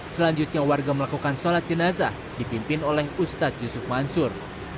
selanjutnya warga melakukan sholat jenazah dipimpin oleh ustadz yusuf mansur